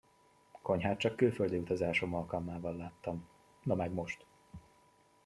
Konyhát csak külföldi utazásom alkalmával láttam, no meg most.